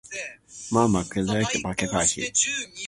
万発捲って負け回避